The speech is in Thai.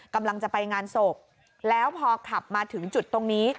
กำลังจะไปงานศพแล้วพอขับมาถึงจุดตรงนี้